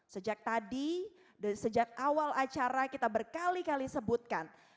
sejak tadi sejak awal acara kita berkali kali sebutkan